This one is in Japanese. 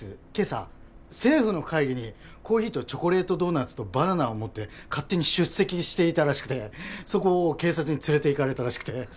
今朝政府の会議にコーヒーとチョコレートドーナツとバナナを持って勝手に出席していたらしくてそこを警察に連れていかれたらしくて。